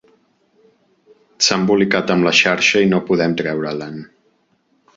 S'ha embolicat amb la xarxa i no podem treure-l'en.